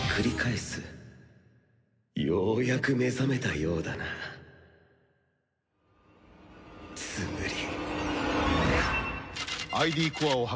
ようやく目覚めたようだなツムリ。